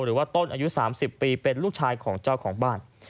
หรือว่าต้นอายุ๓๐ปีเป็นลูกชายของเจ้าของบ้าน